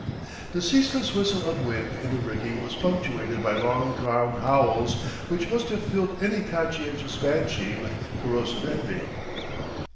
The ceaseless whistle of wind in the rigging was punctuated by long drawn howls which must have filled any conscientious banshee with corrosive envy.